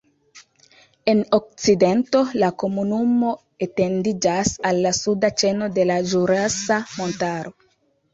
En okcidento la komunumo etendiĝas al la suda ĉeno de la Ĵurasa Montaro.